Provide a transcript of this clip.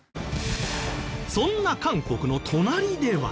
そんな韓国の隣では。